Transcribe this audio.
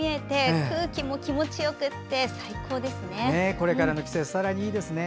これからの季節さらにいいですね。